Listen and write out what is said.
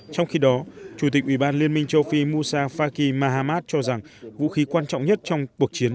trong khi đó chủ tịch ubnd châu phi musafaki mahamad cho rằng vũ khí quan trọng nhất trong cuộc chiến